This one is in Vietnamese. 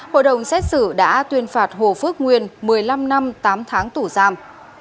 hội đồng xét xử đã tuyên phạt hồ phước nguyên một mươi năm năm tám tháng tù giam